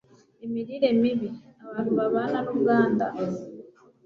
imirire mibi? abantu babana n'ubwanda